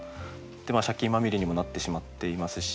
借金まみれにもなってしまっていますし